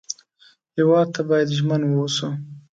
هېواد ته باید ژمن و اوسو